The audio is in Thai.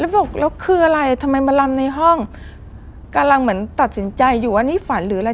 บอกแล้วคืออะไรทำไมมาลำในห้องกำลังเหมือนตัดสินใจอยู่ว่านี่ฝันหรืออะไร